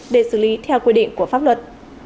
để xử lý theo quy định của pháp luật